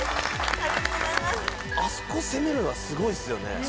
あそこ攻めるのはすごいですよね。